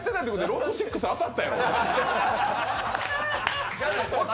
ロトシックス当たったんやろ？